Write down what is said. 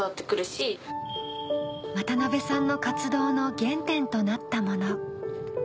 渡さんの活動の原点となったもの。